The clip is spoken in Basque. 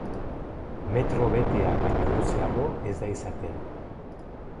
Metro betea baino luzeago ez da izaten.